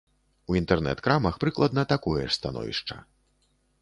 У інтэрнэт-крамах прыкладна такое ж становішча.